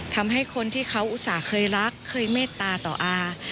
ทำให้คนที่เขาอุตส่าห์เคยรักเคยเมตตาต่ออา